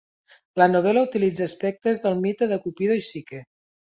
La novel·la utilitza aspectes del mite de Cupido i Psique.